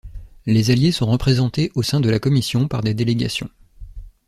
Les Alliés sont représentés au sein de la Commission par des délégations.